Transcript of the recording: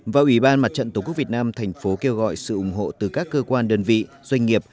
và ủy ban mặt trận tổ quốc việt nam thành phố kêu gọi sự ủng hộ từ các cơ quan đơn vị doanh nghiệp